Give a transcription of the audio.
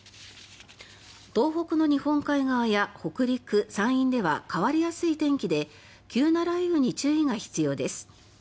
東北の日本海側や北陸、山陰では変わりやすい天気で急な雷雨に注意が必要です。